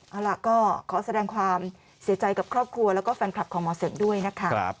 เอาล่ะก็ขอแสดงความเสียใจกับครอบครัวแล้วก็แฟนคลับของหมอเสกด้วยนะคะ